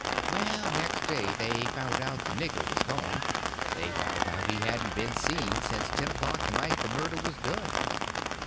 Well, next day they found out the nigger was gone; they found out he hadn't ben seen sence ten o'clock the night the murder was done.